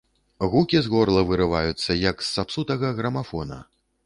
Гукі з горла вырываюцца, як з сапсутага грамафона.